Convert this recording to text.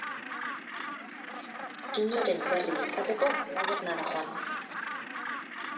Inoren berri izateko, tabernara joan.